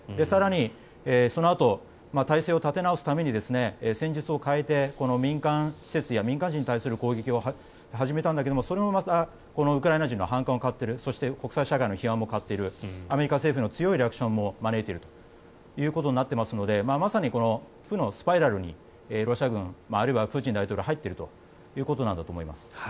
更にそのあと体勢を立て直すために戦術を変えて民間施設や民間人に対する攻撃を始めたんだけどもそれもまたウクライナ人の反感を買っているそして国際社会の批判も買っているアメリカ政府の強いリアクションも招いているということになっていますのでまさに負のスパイラルにロシア軍あるいはプーチン大統領は入っているということなんだと思います。